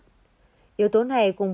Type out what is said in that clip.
yếu tố này cũng gây ra các triệu chứng nhẹ